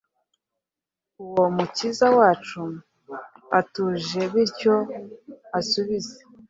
Uwo Umukiza wacu atuje bityo asubize